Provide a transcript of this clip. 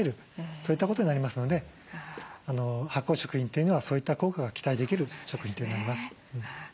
そういったことになりますので発酵食品というのはそういった効果が期待できる食品となります。